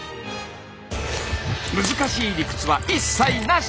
難しい理屈は一切なし！